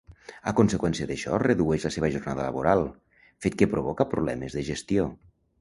A conseqüència d'això, redueix la seva jornada laboral, fet que provoca problemes de gestió.